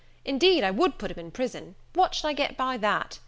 Indeed, I would put him in prison, but what should I get by that?